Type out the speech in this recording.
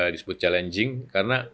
disebut challenging karena